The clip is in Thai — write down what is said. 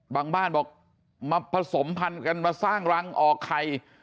บ้านบอกมาผสมพันธุ์กันมาสร้างรังออกไข่